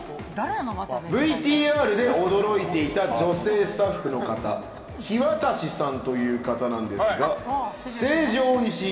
ＶＴＲで驚いていた女性スタッフの方は樋渡さんという方なんですが成城石井